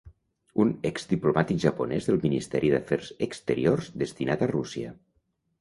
Un exdiplomàtic japonès del Ministeri d'Afers Exteriors destinat a Rússia.